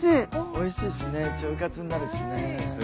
おいしいしね腸活になるしね。